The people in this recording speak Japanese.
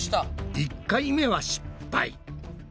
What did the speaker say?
１回目は失敗。